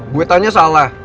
gue tanya salah